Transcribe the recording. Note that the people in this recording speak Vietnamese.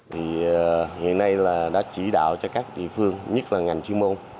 thì hiện nay là đã chỉ đạo cho các địa phương nhất là ngành chuyên môn